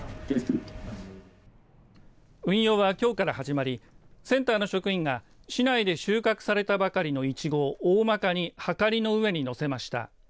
運用は、きょうから始まりセンターの職員が市内で収穫されたばかりのいちごを大まかにはかりの上に載せました。